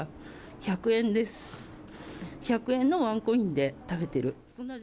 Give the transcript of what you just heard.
１００円のワンコインで食べてる。